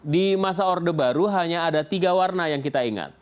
di masa orde baru hanya ada tiga warna yang kita ingat